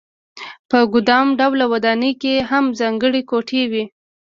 په ګدام ډوله ودانۍ کې هم ځانګړې کوټې وې.